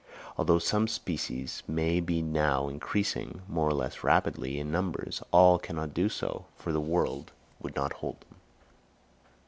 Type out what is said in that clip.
Although some species may be now increasing, more or less rapidly, in numbers, all cannot do so, for the world would not hold them.